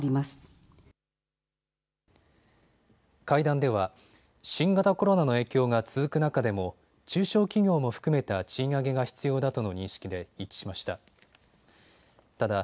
会談では新型コロナの影響が続く中でも中小企業も含めた賃上げが必要だとの認識で一致しました。